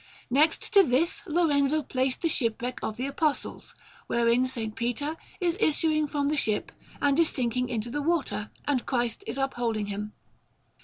Next to this Lorenzo placed the shipwreck of the Apostles, wherein S. Peter is issuing from the ship and is sinking into the water, and Christ is upholding him.